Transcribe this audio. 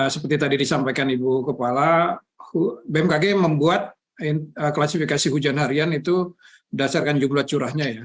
seperti tadi disampaikan ibu kepala bmkg membuat klasifikasi hujan harian itu berdasarkan jumlah curahnya ya